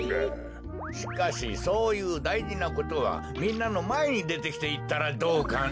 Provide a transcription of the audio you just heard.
しかしそういうだいじなことはみんなのまえにでてきていったらどうかね？